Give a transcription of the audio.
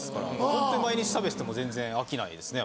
ホントに毎日食べてても全然飽きないですね